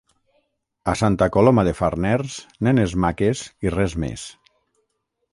A Santa Coloma de Farners, nenes maques i res més.